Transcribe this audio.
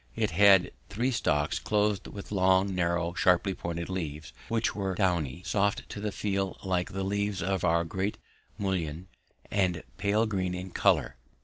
It had three stalks clothed with long, narrow, sharply pointed leaves, which were downy, soft to the feel like the leaves of our great mullein, and pale green in colour.